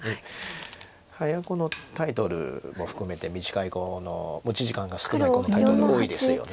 早碁のタイトルも含めて短い碁の持ち時間が少ない碁のタイトル多いですよね。